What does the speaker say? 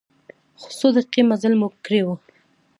څو دقیقې مزل مو کړی و.